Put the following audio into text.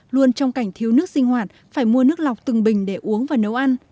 luôn trong cảnh thiếu nước sinh hoạt phải mua nước lọc từng bình để uống và nấu ăn